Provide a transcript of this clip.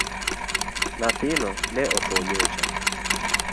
Nyathino ne otho nyocha